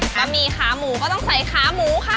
ะหมี่ขาหมูก็ต้องใส่ขาหมูค่ะ